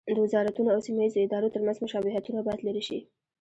د وزارتونو او سیمه ییزو ادارو ترمنځ مشابهتونه باید لرې شي.